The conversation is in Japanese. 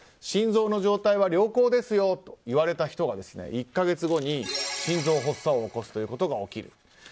心臓の状態は良好ですよと言われた人が１か月後に心臓発作を起こすということが起きる。